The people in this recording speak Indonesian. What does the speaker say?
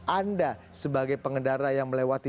anda sebagai pengendara yang melewati